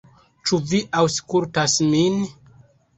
"Ĉu vi aŭskultas min?"